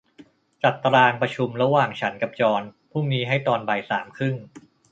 จัดตารางประชุมระหว่างฉันกับจอห์นพรุ่งนี้ให้ตอนบ่ายสามครึ่ง